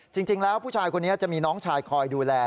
จริงแล้วผู้ชายคนนี้จะมีน้องชายคอยดูแล